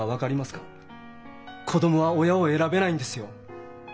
子供は親を選べないんですよ。